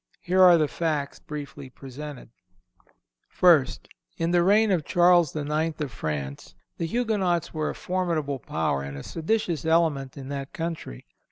Here are the facts briefly presented: First—In the reign of Charles IX. of France the Huguenots were a formidable power and a seditious element in that country.